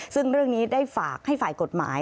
ซึ่งเรื่องนี้ได้ฝากให้ฝ่ายกฎหมาย